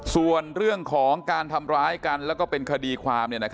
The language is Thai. ส่วนเรื่องของการทำร้ายกันแล้วก็เป็นคดีความ